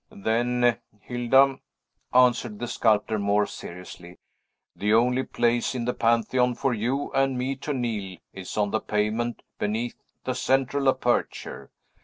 "Then, Hilda," answered the sculptor more seriously, "the only Place in the Pantheon for you and me to kneel is on the pavement beneath the central aperture.